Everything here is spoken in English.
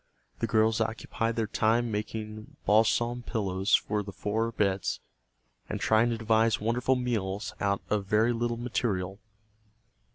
The girls occupied their time making balsam pillows for the four beds, and trying to devise wonderful meals out of very little material.